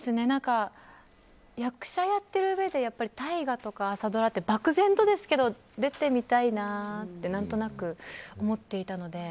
役者やってるうえで大河とか朝ドラって漠然とですけど出てみたいなって何となく思っていたので。